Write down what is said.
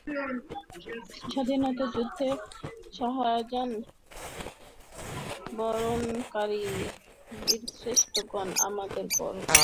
স্বাধীনতা যুদ্ধে শাহাদাত বরণকারী বীরশ্রেষ্ঠগণ আমাদের গর্ব।